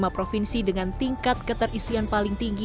lima provinsi dengan tingkat keterisian paling tinggi